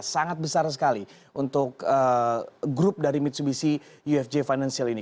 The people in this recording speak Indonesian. sangat besar sekali untuk grup dari mitsubishi ufj financial ini